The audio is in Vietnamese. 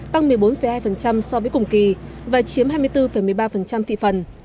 tăng một mươi bốn hai so với cùng kỳ và chiếm hai mươi bốn một mươi ba thị phần